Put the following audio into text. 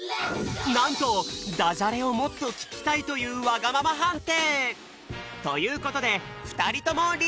なんと「ダジャレをもっと聞きたい！」というわがままはんてい！ということでふたりともリーチ！